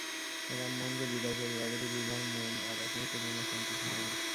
রামমোহনকে বিদায় করিয়া অবধি বিভার মনে আর এক মুহূর্তের জন্য শান্তি ছিল না।